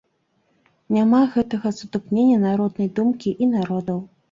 Няма гэтага сутыкнення народнай думкі і народаў.